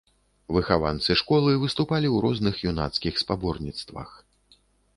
Выхаванцы школы выступалі ў розных юнацкіх спаборніцтвах.